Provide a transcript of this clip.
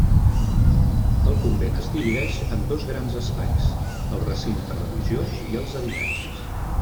El convent es divideix en dos grans espais: el recinte religiós i els habitatges.